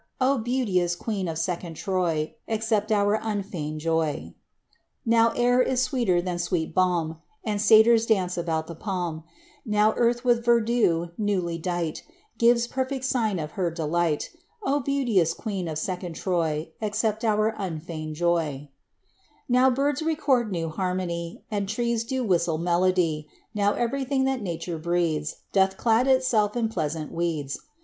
Oh, beauteous queen of second Troy, Accept of our unfeigned joy I Now air is sweeter than sweet ba]m, And satyrs dance about the palm; Now earth with verdure newly dight Gives perfect sign of her delight ^ Oh, beauteous queen of second Troy, Accept of our unfeigned joy I Now birds record new harmony, And trees do whistle melody, Now everything that nature breeds Doth clad itself in pleasant weeds.